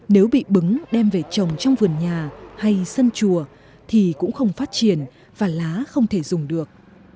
nếu bị bứng đem về trồng trong vườn nhà hay sân chùa thì cũng không phát triển và lá không thể dùng được